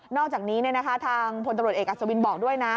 นอกจากนี้เนี่ยนะคะทางพตเอกอัศวินบอกด้วยนะ